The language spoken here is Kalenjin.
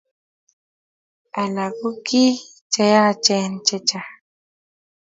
alak ko kii cheyachen chechang